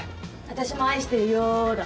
私も愛してるよだ！